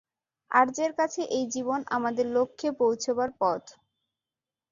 আর্যের কাছে এই জীবন আমাদের লক্ষ্যে পৌঁছিবার পথ।